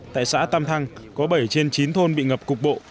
tại xã tam thăng có bảy trên chín thôn bị ngập cục bộ